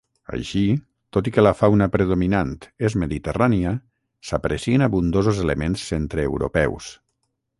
Així, tot i que la fauna predominant és mediterrània, s'aprecien abundosos elements centreeuropeus.